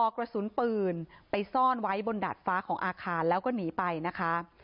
กระสุนปืนไปซ่อนไว้บนดาดฟ้าของอาคารแล้วก็หนีไปนะคะ